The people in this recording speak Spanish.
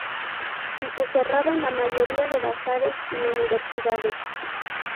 Y se cerraban la mayoría de bazares y universidades.